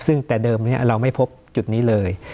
ซึ่งแต่เดิมนี้เราไม่พบจุดนี้เลย